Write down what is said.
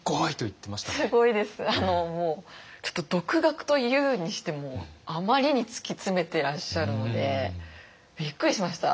もうちょっと独学と言うにしてもあまりに突き詰めてらっしゃるのでびっくりしました。